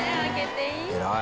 「偉い。